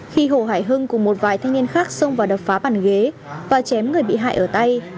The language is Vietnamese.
khi hồ hải hưng cùng một vài thanh niên khác xông vào đập phá bàn ghế và chém người bị hại ở tay